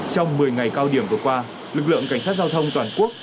trong một mươi ngày cao điểm vừa qua lực lượng cảnh sát giao thông toàn quốc